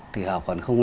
thì họ còn không